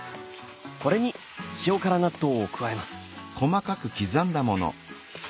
これに塩辛納豆を加えます。